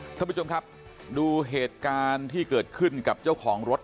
ท่านผู้ชมครับดูเหตุการณ์ที่เกิดขึ้นกับเจ้าของรถ